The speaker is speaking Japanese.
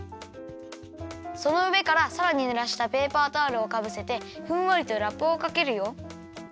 そのうえからさらにぬらしたペーパータオルをかぶせてふんわりとラップをかけるよ。